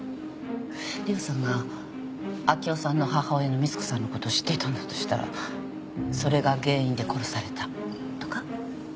里緒さんが明生さんの母親の光子さんのこと知っていたんだとしたらそれが原因で殺されたとか？